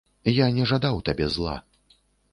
Я не жадаў табе зла.